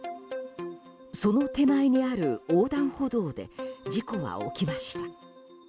その手前にある横断歩道で事故は起きました。